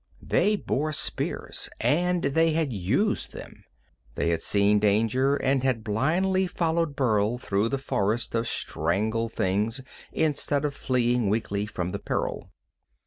They bore spears, and they had used them. They had seen danger, and had blindly followed Burl through the forest of strangled things instead of fleeing weakly from the peril.